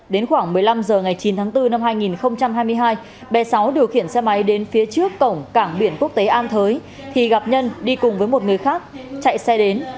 đến khoảng một mươi năm h ngày chín tháng bốn năm hai nghìn hai mươi hai bé sáu điều khiển xe máy đến phía trước cổng cảng biển quốc tế an thới thì gặp nhân đi cùng với một người khác chạy xe đến